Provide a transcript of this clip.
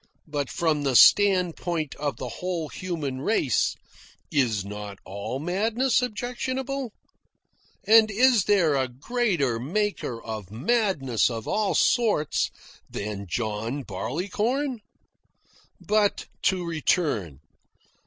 But from the standpoint of the whole human race, is not all madness objectionable? And is there a greater maker of madness of all sorts than John Barleycorn? But to return.